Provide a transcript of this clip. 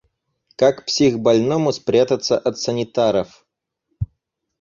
Как психбольному спрятаться от санитаров?